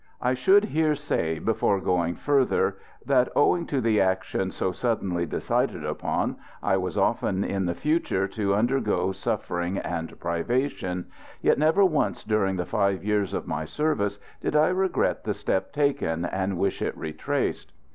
I should here say, before going further, that owing to the action so suddenly decided upon, I was often in the future to undergo suffering and privation; yet never once during the five years of my service did I regret the step taken and wish it retraced.